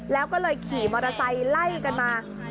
แล้วก็เลยขี่มอเตอร์ไซค์ไล่กันมา